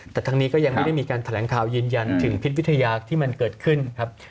แต่ทั้งนี้ก็ยังไม่ได้มีการแถลงข่าวยืนยันถึงพิษวิทยาที่มันเกิดขึ้นครับ